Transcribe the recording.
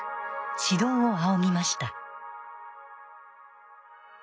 指導を仰ぎました。